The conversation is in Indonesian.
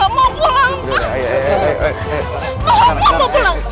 ma aku ga mau pulang